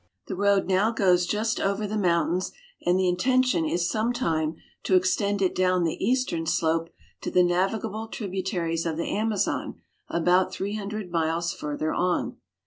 The road now goes just over the mountains, and the intention is some time to extend it down the eastern slope to the navigable tributaries of the Amazon, about three hundred miles further on.